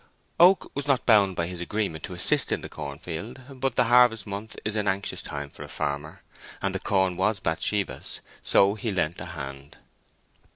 Oak was not bound by his agreement to assist in the corn field; but the harvest month is an anxious time for a farmer, and the corn was Bathsheba's, so he lent a hand.